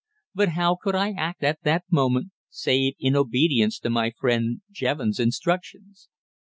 But how could I act at that moment, save in obedience to my friend Jevons' instructions?